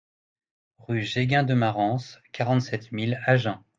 Rue Jegun de Marans, quarante-sept mille Agen